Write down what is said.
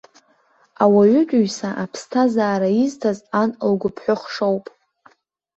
Ауаҩытәыҩса аԥсҭазаара изҭаз ан лгәыҳәԥыхшоуп.